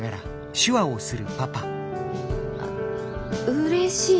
うれしい？